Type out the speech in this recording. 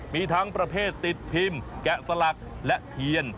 มีทั้งประเภทติดพิมพ์แกะสลักและเทียน